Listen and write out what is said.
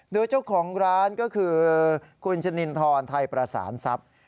โดยเจ้าของร้านก็คือคุณชนินทรไทยประสานทรัพย์